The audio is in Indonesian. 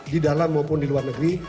di dalam maupun di luar negeri